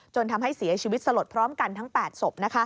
ทำให้เสียชีวิตสลดพร้อมกันทั้ง๘ศพ